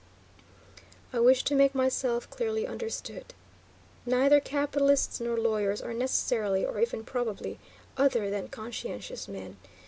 I wish to make myself clearly understood. Neither capitalists nor lawyers are necessarily, or even probably, other than conscientious men.